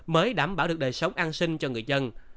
mới đảm bảo được đời sống an sinh cho người dân